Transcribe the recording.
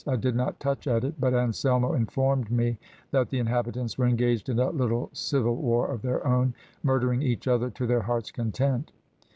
I did not touch at it, but Anselmo informed me that the inhabitants were engaged in a little civil war of their own, murdering each other to their hearts' content.